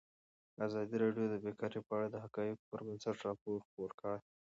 ازادي راډیو د بیکاري په اړه د حقایقو پر بنسټ راپور خپور کړی.